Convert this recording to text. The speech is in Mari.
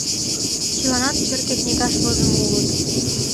Чыланат черке книгаш возымо улыт.